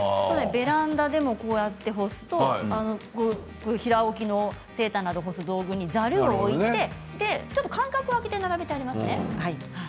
ベランダでこうやって干すと平置きの、のセーターなどを干す道具にざるを置いてちょっと間隔を空けて並べてありますね。